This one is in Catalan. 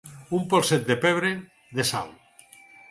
Un polset de pebre, de sal.